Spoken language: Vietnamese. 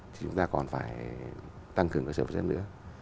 thì chúng ta còn phải tăng cường cơ sở vật chất nữa